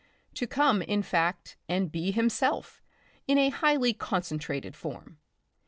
To come, in fact, and be himself in a highly concentrated form.